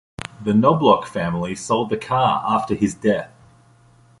The Knobloch family sold the car after his death.